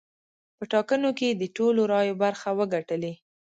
په ټاکنو کې یې د ټولو رایو برخه وګټلې.